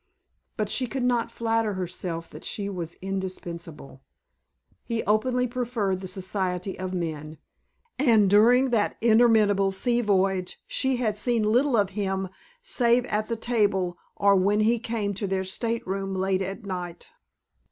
But she could not flatter herself that she was indispensable. He openly preferred the society of men, and during that interminable sea voyage she had seen little of him save at the table or when he came to their stateroom late at night.